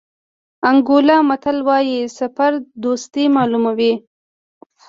انګولا متل وایي سفر دوستي معلوموي.